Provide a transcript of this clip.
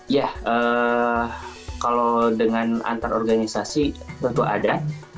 ya kalau dengan antar organisasi tentu ada